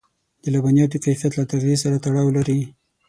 د لبنیاتو کیفیت له تغذيې سره تړاو لري.